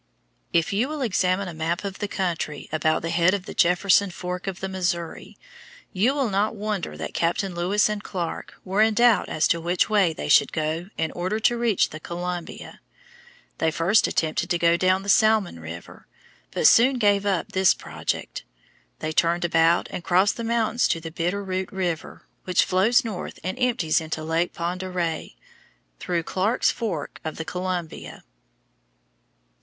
If you will examine a map of the country about the head of the Jefferson fork of the Missouri, you will not wonder that Captains Lewis and Clark were in doubt as to which way they should go in order to reach the Columbia. They first attempted to go down the Salmon River, but soon gave up this project. They turned about and crossed the mountains to the Bitter Root River, which flows north and empties into Lake Pend d'Oreille through Clark's Fork of the Columbia.